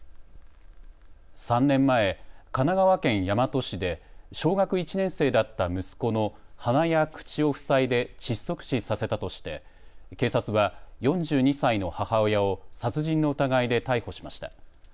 ３年前、神奈川県大和市で小学１年生だった息子の鼻や口を塞いで窒息死させたとして警察は４２歳の母親を殺人の疑いで逮捕しました。